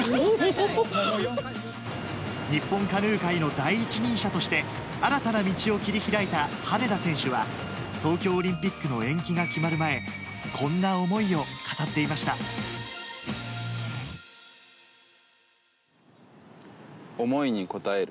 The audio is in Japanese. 日本カヌー界の第一人者として、新たな道を切り開いた羽根田選手は、東京オリンピックの延期が決まる前、思いに応える。